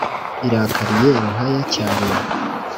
irakariye ruhaya cyane